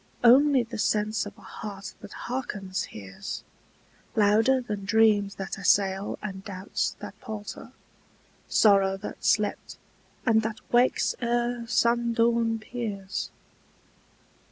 Only the sense of a heart that hearkens hears, Louder than dreams that assail and doubts that palter, Sorrow that slept and that wakes ere sundawn peers.